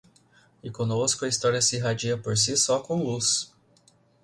E conosco a história se irradia por si só com luz